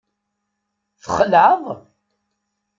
Txelɛeḍ?